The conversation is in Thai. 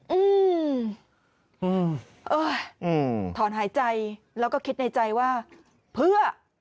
อืมเอออืมถอนหายใจแล้วก็คิดในใจว่าเพื่อ